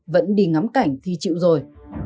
vẫn đi ngắm cảnh thì chịu rồi